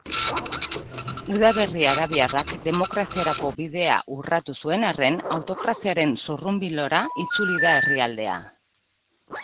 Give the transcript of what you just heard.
Udaberri arabiarrak demokraziarako bidea urratu zuen arren, autokraziaren zurrunbilora itzuli da herrialdea.